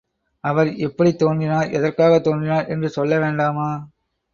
அவர் எப்படித் தோன்றினார், எதற்காகத் தோன்றினார் என்று சொல்ல வேண்டாமா?